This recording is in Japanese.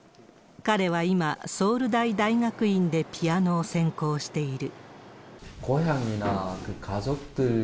彼は今、ソウル大大学院でピアノを専攻している。